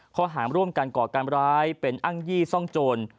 ข้อหารร่วมกันก่อการร้ายเป็นอ้างยี่ซ่องโจร